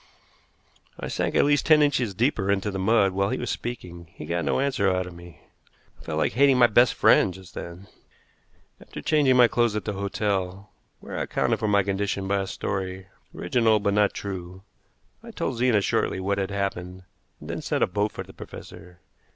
I sank at least ten inches deeper into the mud while he was speaking. He got no answer out of me. I felt like hating my best friend just then. After changing my clothes at the hotel, where I accounted for my condition by a story, original but not true, I told Zena shortly what had happened, then sent a boat for the professor.